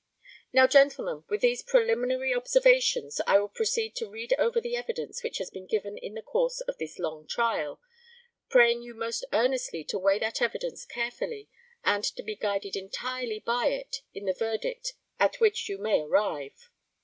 Now, gentlemen, with these preliminary observations, I will proceed to read over the evidence which has been given in the course of this long trial, praying you most earnestly to weigh that evidence carefully, and to be guided entirely by it in the verdict at which you may arrive.